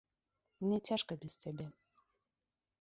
Мне цяжка без цябе.